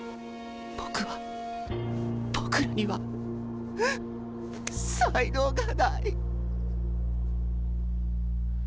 僕は僕らには才能がない。